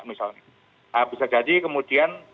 misalnya bisa jadi kemudian